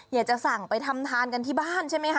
อยากจะสั่งไปทำทานกันที่บ้านใช่ไหมคะ